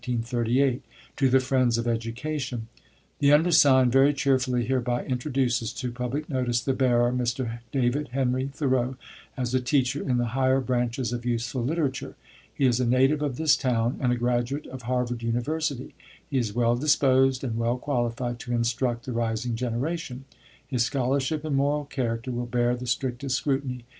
"TO THE FRIENDS OF EDUCATION, The undersigned very cheerfully hereby introduces to public notice the bearer, Mr. David Henry Thoreau, as a teacher in the higher branches of useful literature. He is a native of this town, and a graduate of Harvard University. He is well disposed and well qualified to instruct the rising generation. His scholarship and moral character will bear the strictest scrutiny.